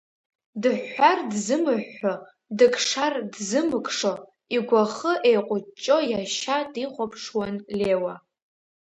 Дыҳәҳәар дзымыҳәҳәо, дыкшар дзымыкшо, игәахы еиҟәыҷҷо иашьа дихәаԥшуан Леуа.